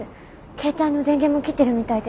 携帯の電源も切ってるみたいで。